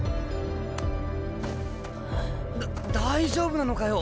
だ大丈夫なのかよ？